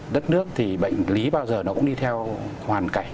đất nước thì bệnh lý bao giờ nó cũng đi theo hoàn cảnh